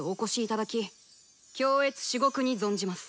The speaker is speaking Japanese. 恐悦至極に存じます。